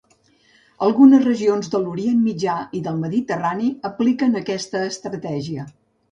Algunes regions de l'Orient Mitjà i del Mediterrani apliquen aquesta estratègia.